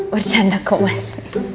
bercanda kok mas